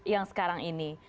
yang sekarang ini